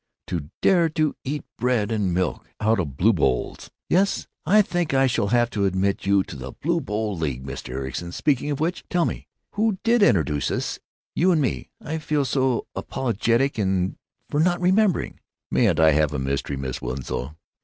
"——to dare to eat bread and milk out of blue bowls." "Yes, I think I shall have to admit you to the Blue Bowl League, Mr. Ericson. Speaking of which——Tell me, who did introduce us, you and me? I feel so apologetic for not remembering." "Mayn't I be a mystery, Miss Winslow?